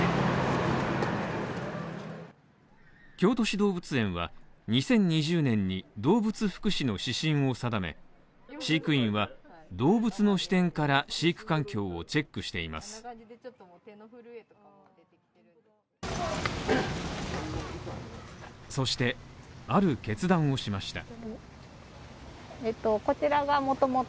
京都市動物園は、２０２０年に動物福祉の指針を定め、飼育員は動物の視点から、飼育環境をチェックしていますそして、ある決断をしました。